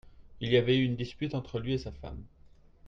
Il y avait eu une dispute entre lui et sa femme.